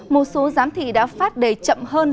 một số giám thị đã phát đầy chậm hơn